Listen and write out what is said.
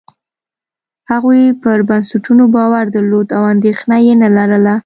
هغوی پر بنسټونو باور درلود او اندېښنه یې نه لرله.